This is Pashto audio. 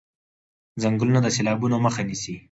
ځنګلونه د سېلابونو مخه نيسي.